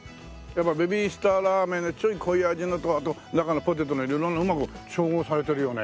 ベビースターラーメンのちょい濃い味のとあと中のポテトのうまく調合されてるよね。